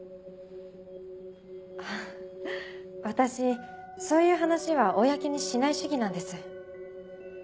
あっ私そういう話は公にしない主義なんです。